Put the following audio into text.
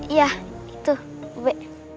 iya itu ube